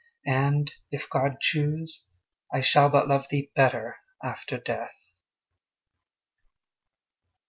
and, if God choose, I shall but love thee better after death.